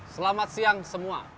selamat siang semua